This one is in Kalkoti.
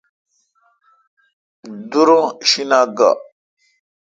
دور اں شیناک گاڑ۔